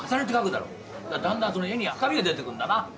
だんだんその絵に深みが出てくんだな。